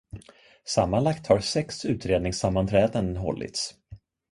Sammanlagt har sex utredningssammanträden hållits.